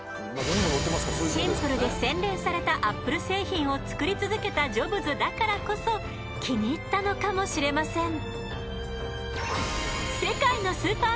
シンプルで洗練されたＡｐｐｌｅ製品を作り続けたジョブズだからこそ気に入ったのかもしれません。